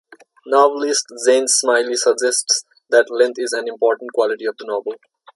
Novelist Jane Smiley suggests that length is an important quality of the novel.